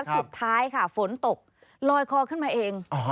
สุดท้ายค่ะฝนตกลอยคอขึ้นมาเอง